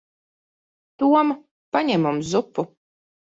Tom. Paņem mums zupu.